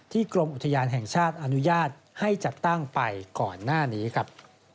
กรมอุทยานแห่งชาติอนุญาตให้จัดตั้งไปก่อนหน้านี้ครับ